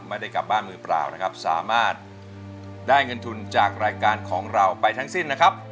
ไม่ได้กลับบ้านมือเปล่านะครับสามารถได้เงินทุนจากรายการของเราไปทั้งสิ้นนะครับ